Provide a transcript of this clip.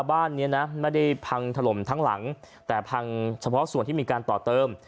บ้านนี้นะไม่ได้พังถล่มทั้งหลังแต่พังเฉพาะส่วนที่มีการต่อเติม